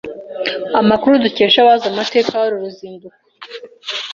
Amakuru dukesha abazi amateka y’uru ruzinduko